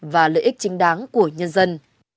và lợi ích chính đáng của nhân dân